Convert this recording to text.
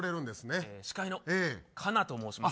司会のカナと申します。